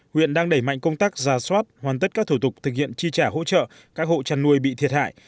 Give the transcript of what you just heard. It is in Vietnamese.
huyện đang đẩy mạnh công tác ra soát hoàn tất các thủ tục thực hiện chi trả hỗ trợ các hộ chăn nuôi bị thiệt hại